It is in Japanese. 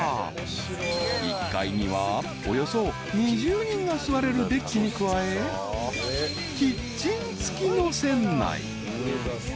［１階にはおよそ２０人が座れるデッキに加えキッチン付きの船内］